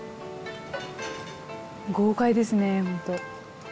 豪快ですねほんと。